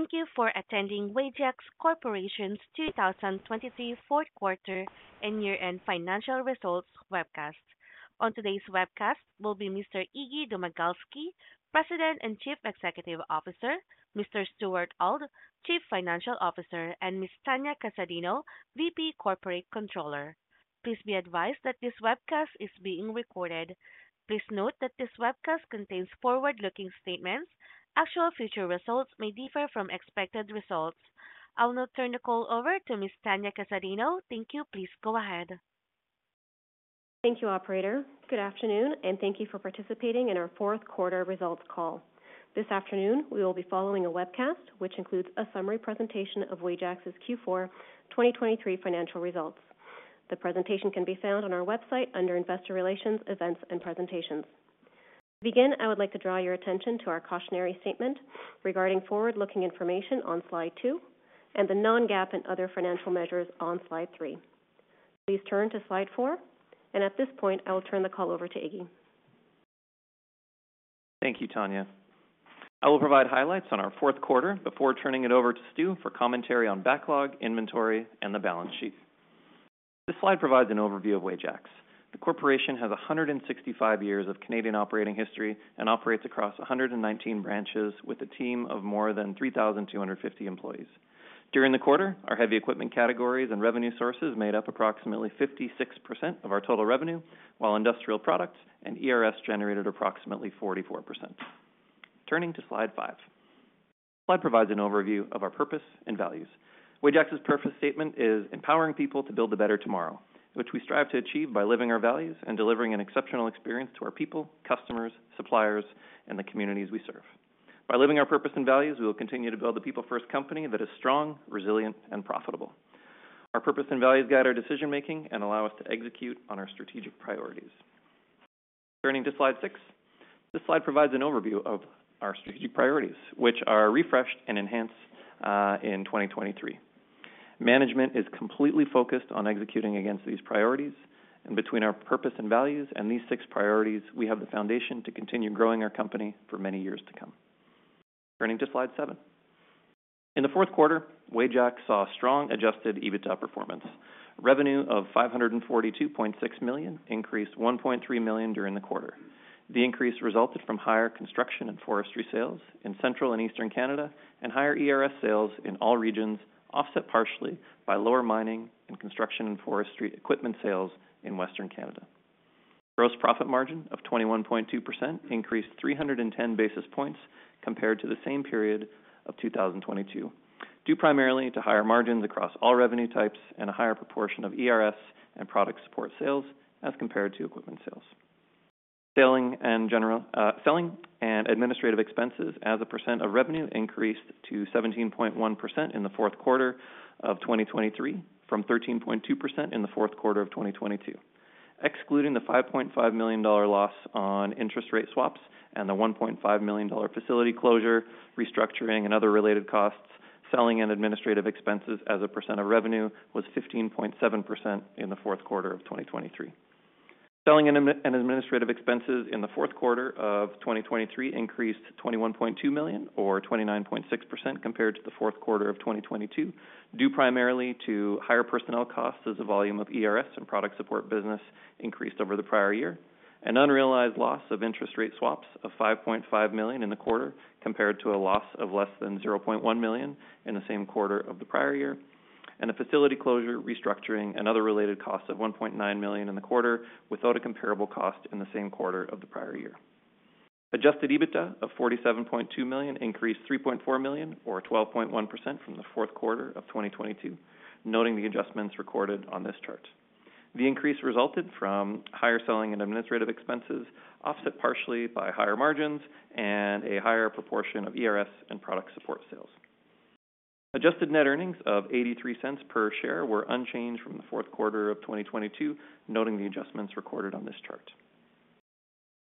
Thank you for attending Wajax Corporation's 2023 4th Quarter and Year-End Financial Results webcast. On today's webcast will be Mr. Iggy Domagalski, President and Chief Executive Officer, Mr. Stuart Auld, Chief Financial Officer, and Ms. Tania Casadinho, VP Corporate Controller. Please be advised that this webcast is being recorded. Please note that this webcast contains forward-looking statements. Actual future results may differ from expected results. I'll now turn the call over to Ms. Tania Casadinho. Thank you, please go ahead. Thank you, Operator. Good afternoon, and thank you for participating in our 4th Quarter Results call. This afternoon, we will be following a webcast which includes a summary presentation of Wajax's Q4 2023 financial results. The presentation can be found on our website under Investor Relations, Events, and Presentations. To begin, I would like to draw your attention to our cautionary statement regarding forward-looking information on slide two and the non-GAAP and other financial measures on slide three. Please turn to slide four, and at this point I will turn the call over to Iggy. Thank you, Tania. I will provide highlights on our 4th Quarter before turning it over to Stu for commentary on backlog, inventory, and the balance sheet. This slide provides an overview of Wajax. The corporation has 165 years of Canadian operating history and operates across 119 branches with a team of more than 3,250 employees. During the quarter, our heavy equipment categories and revenue sources made up approximately 56% of our total revenue, while industrial product and ERS generated approximately 44%. Turning to slide 5. This slide provides an overview of our purpose and values. Wajax's purpose statement is "Empowering people to build a better tomorrow," which we strive to achieve by living our values and delivering an exceptional experience to our people, customers, suppliers, and the communities we serve. By living our purpose and values, we will continue to build the people-first company that is strong, resilient, and profitable. Our purpose and values guide our decision-making and allow us to execute on our strategic priorities. Turning to slide six. This slide provides an overview of our strategic priorities, which are refreshed and enhanced in 2023. Management is completely focused on executing against these priorities, and between our purpose and values and these six priorities, we have the foundation to continue growing our company for many years to come. Turning to slide seven. In the 4th Quarter, Wajax saw strong Adjusted EBITDA performance. Revenue of 542.6 million increased 1.3 million during the quarter. The increase resulted from higher construction and forestry sales in Central and Eastern Canada and higher ERS sales in all regions, offset partially by lower mining and construction and forestry equipment sales in Western Canada. Gross profit margin of 21.2% increased 310 basis points compared to the same period of 2022, due primarily to higher margins across all revenue types and a higher proportion of ERS and product support sales as compared to equipment sales. Selling and general selling and administrative expenses as a percent of revenue increased to 17.1% in the fourth quarter of 2023, from 13.2% in the 4th Quarter of 2022. Excluding the 5.5 million dollar loss on interest rate swaps and the 1.5 million dollar facility closure, restructuring, and other related costs, selling and administrative expenses as a percent of revenue was 15.7% in the fourth quarter of 2023. Selling and administrative expenses in the 4th Quarter of 2023 increased 21.2 million, or 29.6%, compared to the fourth quarter of 2022, due primarily to higher personnel costs as the volume of ERS and product support business increased over the prior year, an unrealized loss of interest rate swaps of 5.5 million in the quarter compared to a loss of less than 0.1 million in the same quarter of the prior year, and a facility closure, restructuring, and other related costs of 1.9 million in the quarter without a comparable cost in the same quarter of the prior year. Adjusted EBITDA of 47.2 million increased 3.4 million, or 12.1%, from the fourth quarter of 2022, noting the adjustments recorded on this chart. The increase resulted from higher selling and administrative expenses offset partially by higher margins and a higher proportion of ERS and product support sales. Adjusted net earnings of 0.83 per share were unchanged from the 4th Quarter of 2022, noting the adjustments recorded on this chart.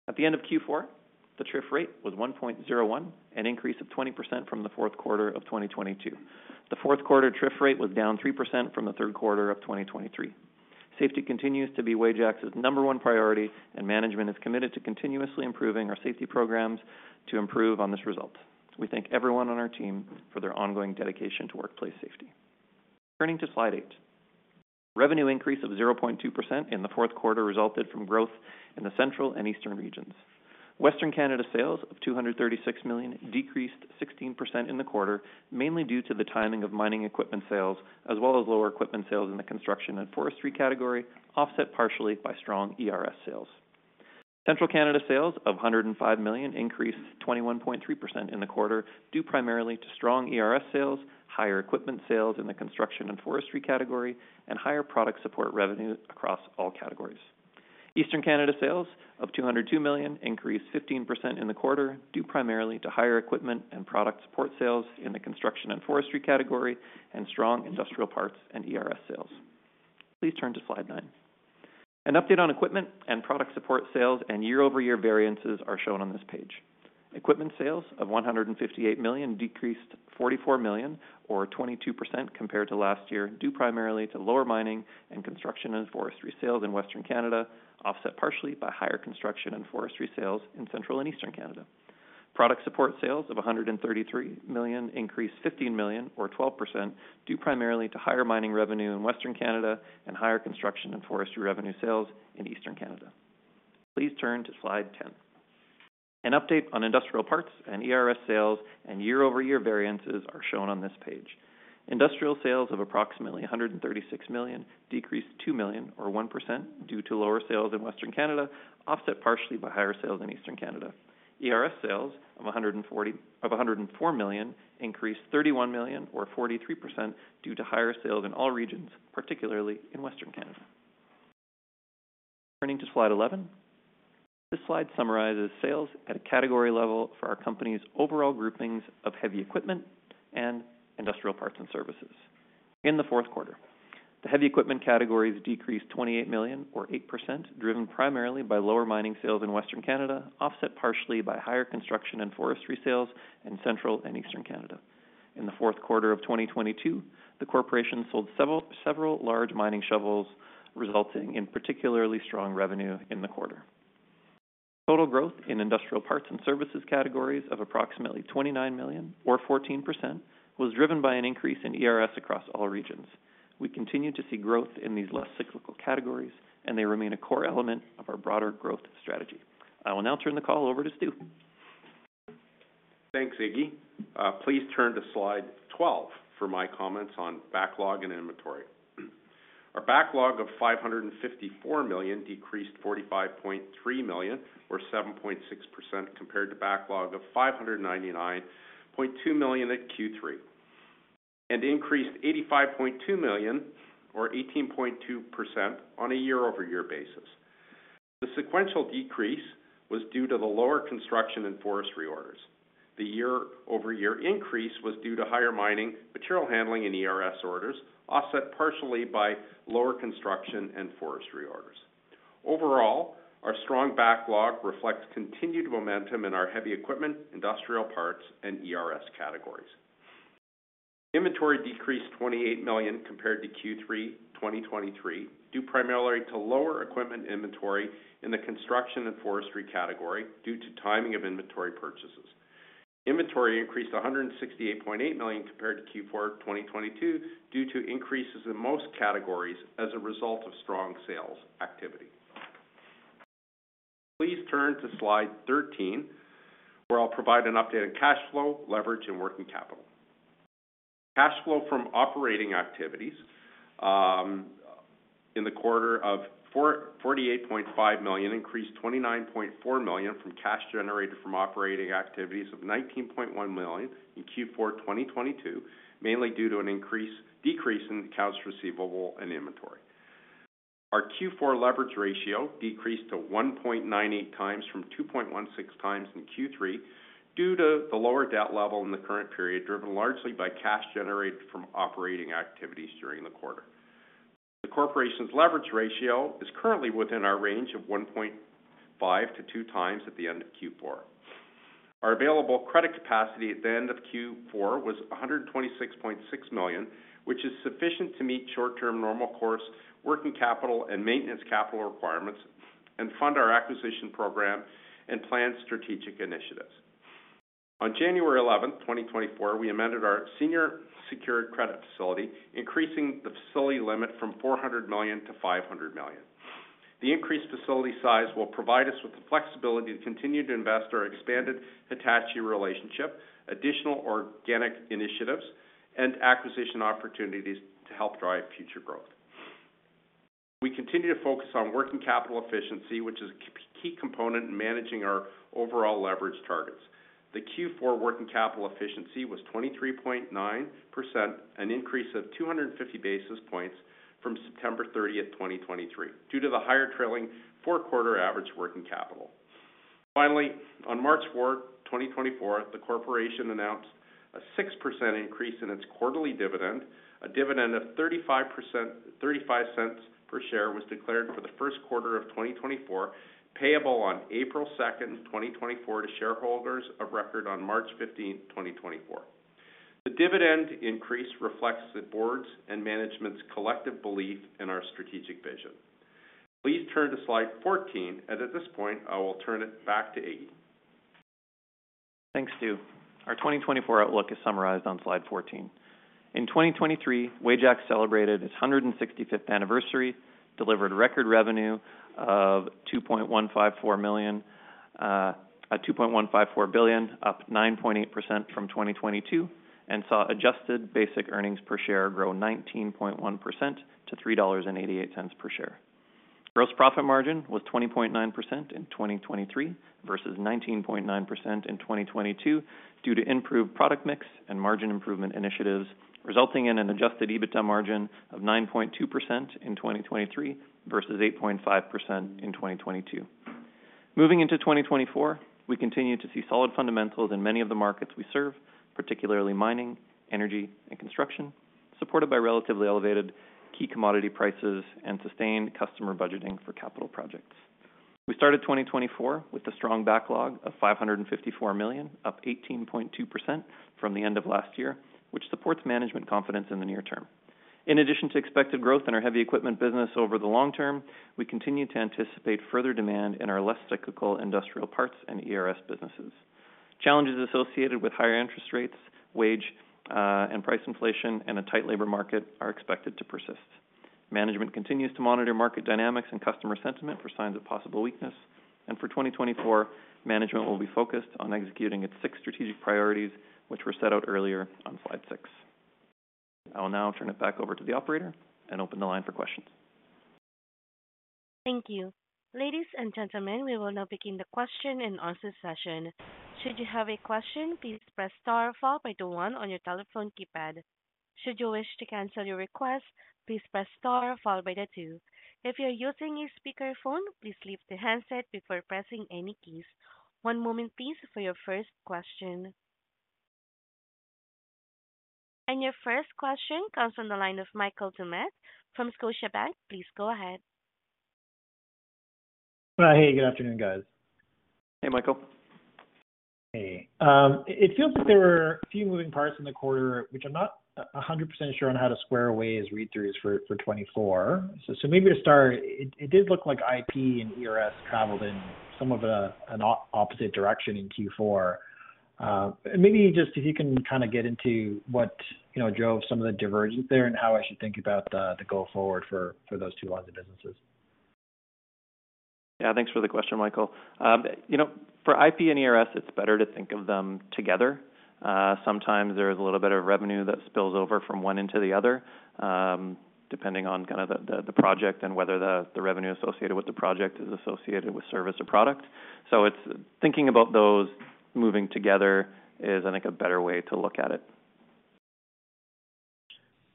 At the end of Q4, the TRIF rate was 1.01, an increase of 20% from the fourth quarter of 2022. The fourth quarter TRIF rate was down 3% from the third quarter of 2023. Safety continues to be Wajax's number one priority, and management is committed to continuously improving our safety programs to improve on this result. We thank everyone on our team for their ongoing dedication to workplace safety. Turning to slide 8. Revenue increase of 0.2% in the fourth quarter resulted from growth in the Central and Eastern regions. Western Canada sales of 236 million decreased 16% in the quarter, mainly due to the timing of mining equipment sales as well as lower equipment sales in the construction and forestry category, offset partially by strong ERS sales. Central Canada sales of 105 million increased 21.3% in the quarter, due primarily to strong ERS sales, higher equipment sales in the construction and forestry category, and higher product support revenue across all categories. Eastern Canada sales of 202 million increased 15% in the quarter, due primarily to higher equipment and product support sales in the construction and forestry category and strong industrial parts and ERS sales. Please turn to slide 9. An update on equipment and product support sales and year-over-year variances are shown on this page. Equipment sales of 158 million decreased 44 million, or 22%, compared to last year, due primarily to lower mining and construction and forestry sales in Western Canada, offset partially by higher construction and forestry sales in Central and Eastern Canada. Product support sales of 133 million increased 15 million, or 12%, due primarily to higher mining revenue in Western Canada and higher construction and forestry revenue sales in Eastern Canada. Please turn to slide 10. An update on industrial parts and ERS sales and year-over-year variances are shown on this page. Industrial sales of approximately 136 million decreased 2 million, or 1%, due to lower sales in Western Canada, offset partially by higher sales in Eastern Canada. ERS sales of 104 million increased 31 million, or 43%, due to higher sales in all regions, particularly in Western Canada. Turning to slide 11. This slide summarizes sales at a category level for our company's overall groupings of heavy equipment and industrial parts and services in the fourth quarter. The heavy equipment categories decreased 28 million, or 8%, driven primarily by lower mining sales in Western Canada, offset partially by higher construction and forestry sales in Central and Eastern Canada. In the fourth quarter of 2022, the corporation sold several large mining shovels, resulting in particularly strong revenue in the quarter. Total growth in industrial parts and services categories of approximately 29 million, or 14%, was driven by an increase in ERS across all regions. We continue to see growth in these less cyclical categories, and they remain a core element of our broader growth strategy. I will now turn the call over to Stu. Thanks, Iggy. Please turn to slide 12 for my comments on backlog and inventory. Our backlog of 554 million decreased 45.3 million, or 7.6%, compared to backlog of 599.2 million at Q3, and increased 85.2 million, or 18.2%, on a year-over-year basis. The sequential decrease was due to the lower construction and forestry orders. The year-over-year increase was due to higher mining, material handling, and ERS orders, offset partially by lower construction and forestry orders. Overall, our strong backlog reflects continued momentum in our heavy equipment, industrial parts, and ERS categories. Inventory decreased 28 million compared to Q3 2023, due primarily to lower equipment inventory in the construction and forestry category due to timing of inventory purchases. Inventory increased 168.8 million compared to Q4 2022 due to increases in most categories as a result of strong sales activity. Please turn to slide 13, where I'll provide an update on cash flow, leverage, and working capital. Cash flow from operating activities in the quarter of 48.5 million increased 29.4 million from cash generated from operating activities of 19.1 million in Q4 2022, mainly due to a decrease in accounts receivable and inventory. Our Q4 leverage ratio decreased to 1.98 times from 2.16 times in Q3 due to the lower debt level in the current period, driven largely by cash generated from operating activities during the quarter. The corporation's leverage ratio is currently within our range of 1.5-2 times at the end of Q4. Our available credit capacity at the end of Q4 was 126.6 million, which is sufficient to meet short-term normal course working capital and maintenance capital requirements and fund our acquisition program and planned strategic initiatives. On January 11, 2024, we amended our senior secured credit facility, increasing the facility limit from 400 million to 500 million. The increased facility size will provide us with the flexibility to continue to invest our expanded Hitachi relationship, additional organic initiatives, and acquisition opportunities to help drive future growth. We continue to focus on working capital efficiency, which is a key component in managing our overall leverage targets. The Q4 working capital efficiency was 23.9%, an increase of 250 basis points from September 30th, 2023, due to the higher trailing four-quarter average working capital. Finally, on March 4th, 2024, the corporation announced a 6% increase in its quarterly dividend. A dividend of 35 cents per share was declared for the first quarter of 2024, payable on April 2nd, 2024, to shareholders of record on March 15th, 2024. The dividend increase reflects the board's and management's collective belief in our strategic vision. Please turn to slide 14, and at this point I will turn it back to Iggy. Thanks, Stu. Our 2024 outlook is summarized on slide 14. In 2023, Wajax celebrated its 165th anniversary, delivered record revenue of 2.154 billion, up 9.8% from 2022, and saw adjusted basic earnings per share grow 19.1% to 3.88 dollars per share. Gross profit margin was 20.9% in 2023 versus 19.9% in 2022 due to improved product mix and margin improvement initiatives, resulting in an adjusted EBITDA margin of 9.2% in 2023 versus 8.5% in 2022. Moving into 2024, we continue to see solid fundamentals in many of the markets we serve, particularly mining, energy, and construction, supported by relatively elevated key commodity prices and sustained customer budgeting for capital projects. We started 2024 with a strong backlog of 554 million, up 18.2% from the end of last year, which supports management confidence in the near term. In addition to expected growth in our heavy equipment business over the long term, we continue to anticipate further demand in our less cyclical industrial parts and ERS businesses. Challenges associated with higher interest rates, wage, and price inflation, and a tight labor market are expected to persist. Management continues to monitor market dynamics and customer sentiment for signs of possible weakness, and for 2024, management will be focused on executing its six strategic priorities, which were set out earlier on slide six. I will now turn it back over to the operator and open the line for questions. Thank you. Ladies and gentlemen, we will now begin the question and answer session. Should you have a question, please press star followed by the one on your telephone keypad. Should you wish to cancel your request, please press star followed by the two. If you're using a speakerphone, please leave the handset before pressing any keys. One moment, please, for your first question. Your first question comes from the line of Michael Doumet from Scotiabank. Please go ahead. Hi, hey. Good afternoon, guys. Hey, Michael. Hey. It feels like there were a few moving parts in the quarter, which I'm not 100% sure on how to square away as read-throughs for 2024. So maybe to start, it did look like IP and ERS traveled in some of an opposite direction in Q4. And maybe just if you can kind of get into what drove some of the divergence there and how I should think about the go forward for those two lines of businesses? Yeah, thanks for the question, Michael. For IP and ERS, it's better to think of them together. Sometimes there's a little bit of revenue that spills over from one into the other, depending on kind of the project and whether the revenue associated with the project is associated with service or product. So thinking about those moving together is, I think, a better way to look at it.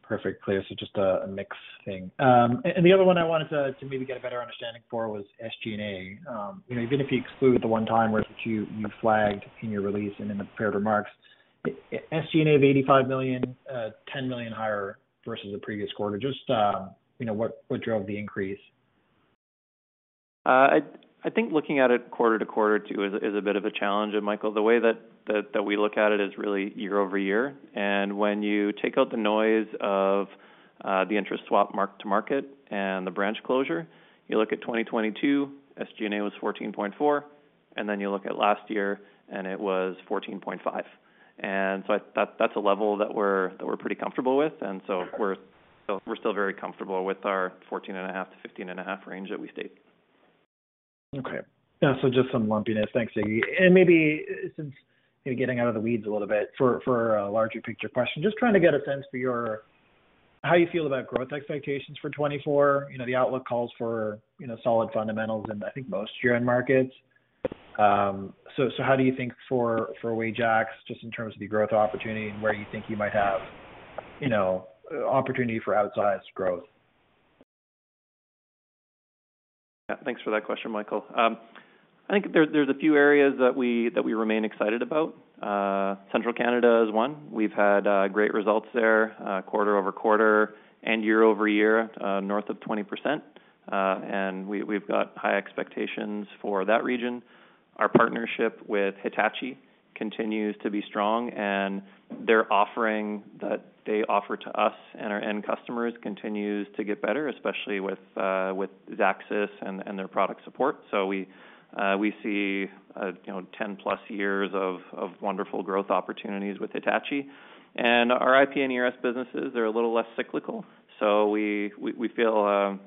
Perfect, clear. So just a mixed thing. And the other one I wanted to maybe get a better understanding for was SG&A. Even if you exclude the one-time where you flagged in your release and in the prepared remarks, SG&A of 85 million, 10 million higher versus the previous quarter. Just what drove the increase? I think looking at it quarter-over-quarter too is a bit of a challenge, Michael. The way that we look at it is really year-over-year. And when you take out the noise of the interest swap mark-to-market and the branch closure, you look at 2022, SG&A was 14.4, and then you look at last year, and it was 14.5. And so that's a level that we're pretty comfortable with, and so we're still very comfortable with our 14.5-15.5 range that we state. Okay. Yeah, so just some lumpiness. Thanks, Iggy. Maybe since getting out of the weeds a little bit for a larger picture question, just trying to get a sense for how you feel about growth expectations for 2024. The outlook calls for solid fundamentals in, I think, most year-end markets. How do you think for Wajax, just in terms of the growth opportunity and where you think you might have opportunity for outsized growth? Yeah, thanks for that question, Michael. I think there's a few areas that we remain excited about. Central Canada is one. We've had great results there quarter-over-quarter and year-over-year, north of 20%. We've got high expectations for that region. Our partnership with Hitachi continues to be strong, and their offering that they offer to us and our end customers continues to get better, especially with ZAXIS and their product support. So we see 10+ years of wonderful growth opportunities with Hitachi. Our IP and ERS businesses, they're a little less cyclical. So we feel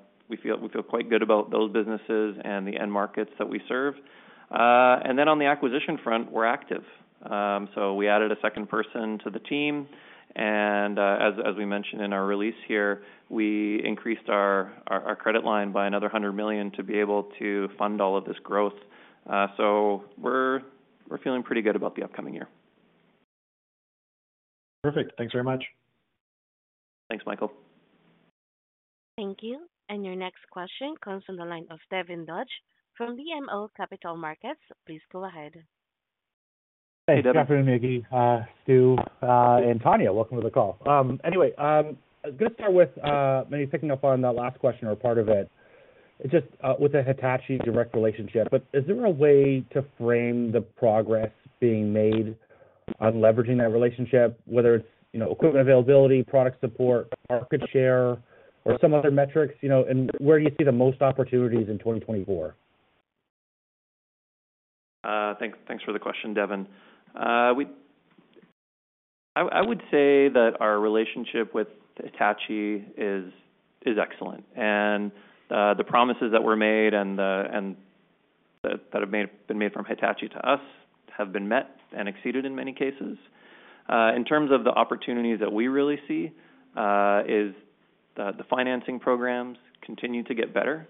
quite good about those businesses and the end markets that we serve. Then on the acquisition front, we're active. So we added a second person to the team. As we mentioned in our release here, we increased our credit line by another 100 million to be able to fund all of this growth. We're feeling pretty good about the upcoming year. Perfect. Thanks very much. Thanks, Michael. Thank you. And your next question comes from the line of Devin Dodge from BMO Capital Markets. Please go ahead. Good afternoon, Iggy, Stu, and Tania. Welcome to the call. Anyway, I was going to start with maybe picking up on that last question or part of it. It's just with the Hitachi direct relationship, but is there a way to frame the progress being made on leveraging that relationship, whether it's equipment availability, product support, market share, or some other metrics? And where do you see the most opportunities in 2024? Thanks for the question, Devin. I would say that our relationship with Hitachi is excellent. The promises that were made and that have been made from Hitachi to us have been met and exceeded in many cases. In terms of the opportunities that we really see, is the financing programs continue to get better,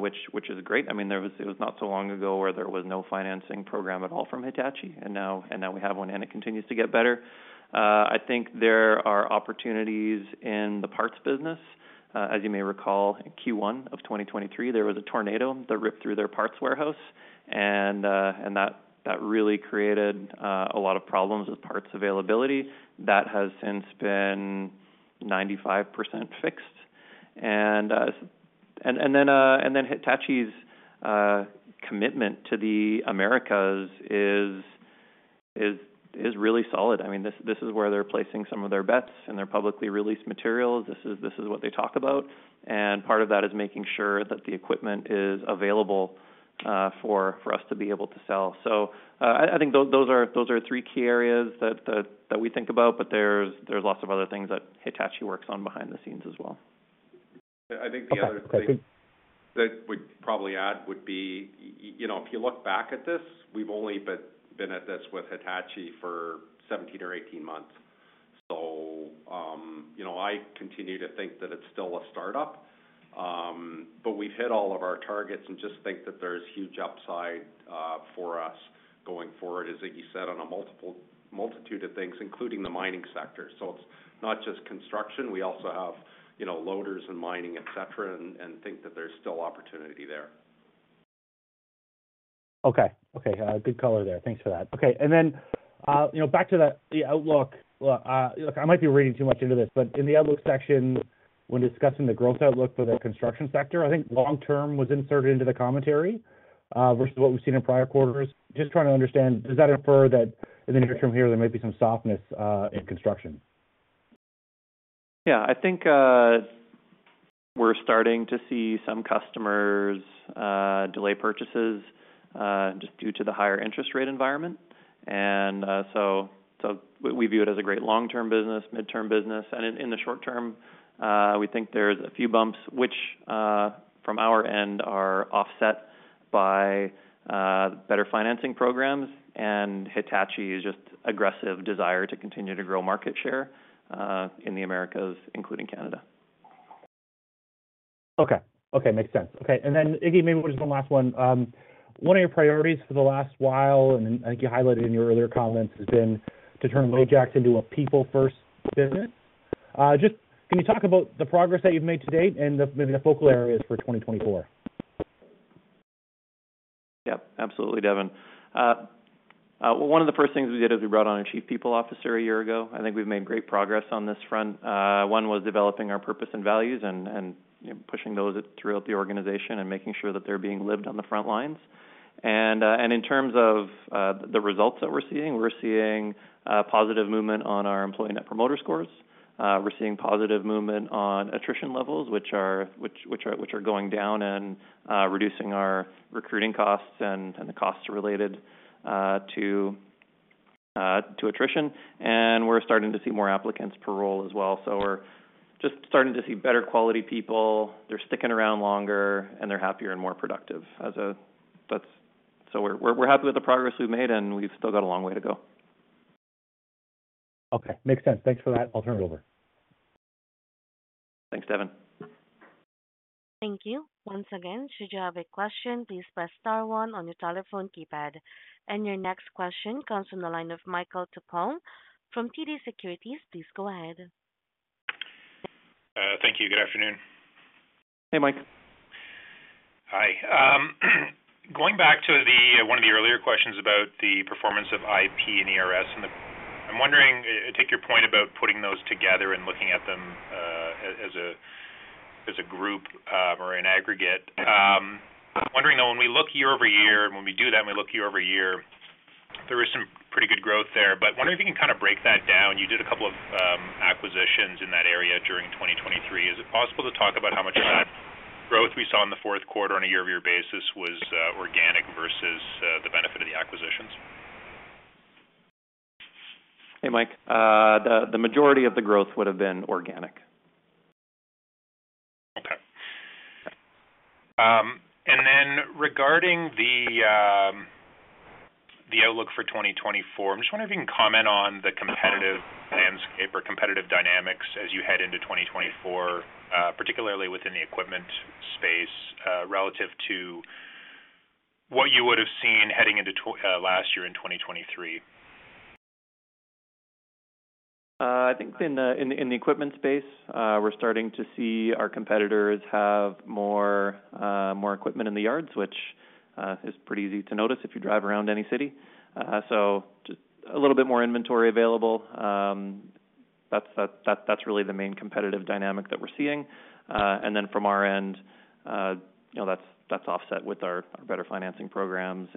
which is great. I mean, it was not so long ago where there was no financing program at all from Hitachi, and now we have one, and it continues to get better. I think there are opportunities in the parts business. As you may recall, in Q1 of 2023, there was a tornado that ripped through their parts warehouse, and that really created a lot of problems with parts availability. That has since been 95% fixed. Then Hitachi's commitment to the Americas is really solid. I mean, this is where they're placing some of their bets in their publicly released materials. This is what they talk about. And part of that is making sure that the equipment is available for us to be able to sell. So I think those are three key areas that we think about, but there's lots of other things that Hitachi works on behind the scenes as well. I think the other thing that we'd probably add would be, if you look back at this, we've only been at this with Hitachi for 17 or 18 months. So I continue to think that it's still a startup, but we've hit all of our targets and just think that there's huge upside for us going forward, as Iggy said, on a multitude of things, including the mining sector. So it's not just construction. We also have loaders and mining, etc., and think that there's still opportunity there. Okay. Okay. Good color there. Thanks for that. Okay. And then back to the outlook. Look, I might be reading too much into this, but in the outlook section, when discussing the growth outlook for the construction sector, I think long-term was inserted into the commentary versus what we've seen in prior quarters. Just trying to understand, does that infer that in the near term here, there may be some softness in construction? Yeah. I think we're starting to see some customers delay purchases just due to the higher interest rate environment. And so we view it as a great long-term business, mid-term business. And in the short term, we think there's a few bumps, which from our end are offset by better financing programs and Hitachi's just aggressive desire to continue to grow market share in the Americas, including Canada. Okay. Okay. Makes sense. Okay. And then, Iggy, maybe just one last one. One of your priorities for the last while, and I think you highlighted in your earlier comments, has been to turn Wajax into a people-first business. Just can you talk about the progress that you've made to date and maybe the focal areas for 2024? Yep. Absolutely, Devin. Well, one of the first things we did is we brought on a chief people officer a year ago. I think we've made great progress on this front. One was developing our purpose and values and pushing those throughout the organization and making sure that they're being lived on the front lines. And in terms of the results that we're seeing, we're seeing positive movement on our Employee Net Promoter Scores. We're seeing positive movement on attrition levels, which are going down and reducing our recruiting costs and the costs related to attrition. And we're starting to see more applicants per role as well. So we're just starting to see better quality people. They're sticking around longer, and they're happier and more productive. So we're happy with the progress we've made, and we've still got a long way to go. Okay. Makes sense. Thanks for that. I'll turn it over. Thanks, Devin. Thank you. Once again, should you have a question, please press star one on your telephone keypad. Your next question comes from the line of Michael Tupholme from TD Securities. Please go ahead. Thank you. Good afternoon. Hey, Mike. Hi. Going back to one of the earlier questions about the performance of IP and ERS, and I'm wondering, I take your point about putting those together and looking at them as a group or an aggregate. Wondering, though, when we look year-over-year, and when we do that, and we look year-over-year, there was some pretty good growth there. But wondering if you can kind of break that down. You did a couple of acquisitions in that area during 2023. Is it possible to talk about how much of that growth we saw in the fourth quarter on a year-over-year basis was organic versus the benefit of the acquisitions? Hey, Mike. The majority of the growth would have been organic. Okay. Then regarding the outlook for 2024, I'm just wondering if you can comment on the competitive landscape or competitive dynamics as you head into 2024, particularly within the equipment space, relative to what you would have seen heading into last year in 2023? I think in the equipment space, we're starting to see our competitors have more equipment in the yards, which is pretty easy to notice if you drive around any city. So just a little bit more inventory available. That's really the main competitive dynamic that we're seeing. And then from our end, that's offset with our better financing programs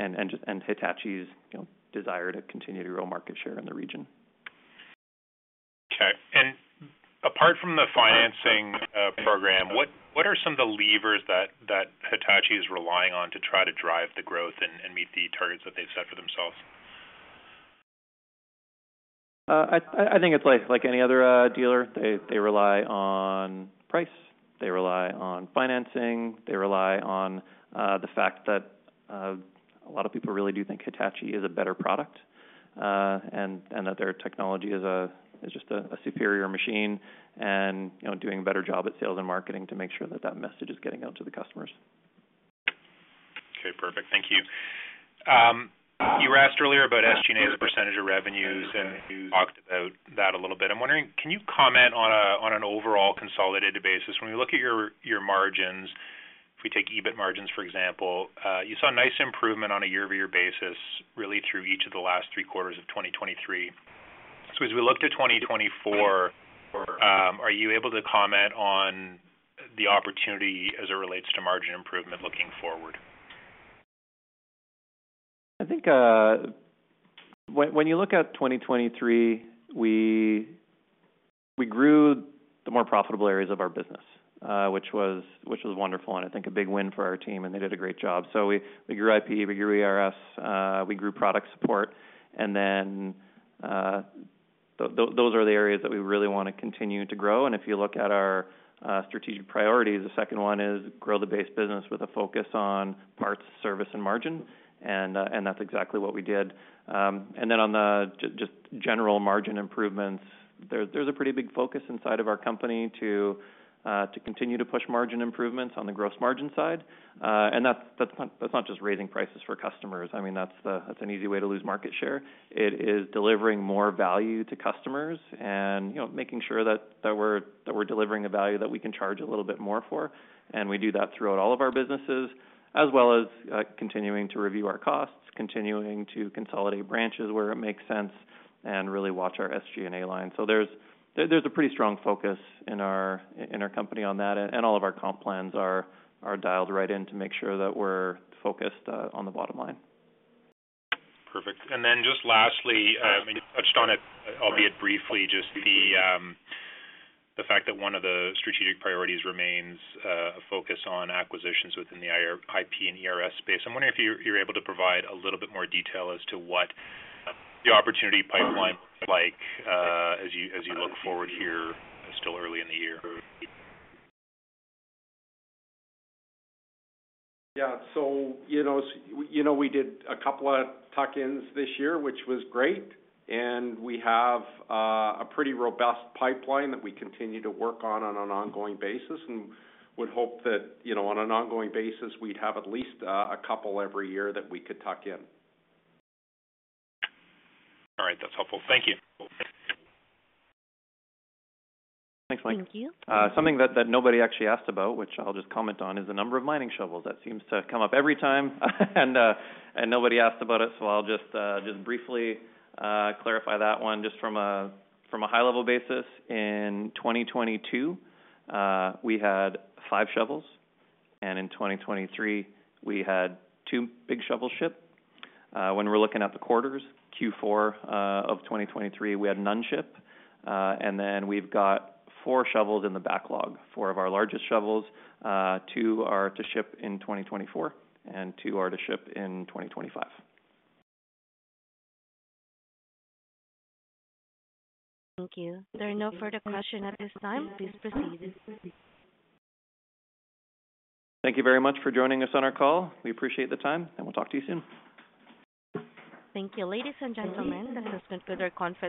and Hitachi's desire to continue to grow market share in the region. Okay. And apart from the financing program, what are some of the levers that Hitachi is relying on to try to drive the growth and meet the targets that they've set for themselves? I think it's like any other dealer. They rely on price. They rely on financing. They rely on the fact that a lot of people really do think Hitachi is a better product and that their technology is just a superior machine and doing a better job at sales and marketing to make sure that that message is getting out to the customers. Okay. Perfect. Thank you. You were asked earlier about SG&A as a percentage of revenues, and you talked about that a little bit. I'm wondering, can you comment on an overall consolidated basis? When we look at your margins, if we take EBIT margins, for example, you saw a nice improvement on a year-over-year basis, really, through each of the last three quarters of 2023. So as we look to 2024, are you able to comment on the opportunity as it relates to margin improvement looking forward? I think when you look at 2023, we grew the more profitable areas of our business, which was wonderful and I think a big win for our team, and they did a great job. So we grew IP. We grew ERS. We grew product support. And then those are the areas that we really want to continue to grow. And if you look at our strategic priorities, the second one is grow the base business with a focus on parts, service, and margin. And that's exactly what we did. And then on the just general margin improvements, there's a pretty big focus inside of our company to continue to push margin improvements on the gross margin side. And that's not just raising prices for customers. I mean, that's an easy way to lose market share. It is delivering more value to customers and making sure that we're delivering a value that we can charge a little bit more for. We do that throughout all of our businesses, as well as continuing to review our costs, continuing to consolidate branches where it makes sense, and really watch our SG&A line. So there's a pretty strong focus in our company on that, and all of our comp plans are dialed right in to make sure that we're focused on the bottom line. Perfect. And then just lastly, and you touched on it, albeit briefly, just the fact that one of the strategic priorities remains a focus on acquisitions within the IP and ERS space. I'm wondering if you're able to provide a little bit more detail as to what the opportunity pipeline looks like as you look forward here still early in the year. Yeah. So we did a couple of tuck-ins this year, which was great. We have a pretty robust pipeline that we continue to work on an ongoing basis and would hope that on an ongoing basis, we'd have at least a couple every year that we could tuck in. All right. That's helpful. Thank you. Thanks, Mike. Thank you. Something that nobody actually asked about, which I'll just comment on, is the number of mining shovels. That seems to come up every time, and nobody asked about it. So I'll just briefly clarify that one. Just from a high-level basis, in 2022, we had five shovels. And in 2023, we had two big shovels ship. When we're looking at the quarters, Q4 of 2023, we had none ship. And then we've got four shovels in the backlog, four of our largest shovels. Two are to ship in 2024, and two are to ship in 2025. Thank you. There are no further questions at this time. Please proceed. Thank you very much for joining us on our call. We appreciate the time, and we'll talk to you soon. Thank you, ladies and gentlemen.